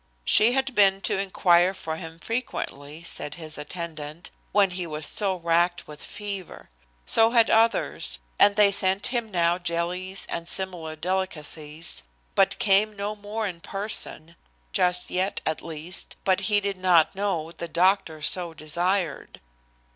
She had been to inquire for him frequently, said his attendant, when he was so racked with fever. So had others, and they sent him now jellies and similar delicacies, but came no more in person just yet at least but he did not know the doctor so desired.